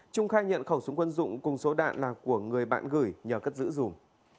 trung khai nhận khẩu súng quân dụng cùng số đạn là của người bạn gửi nhờ cất giữ dùm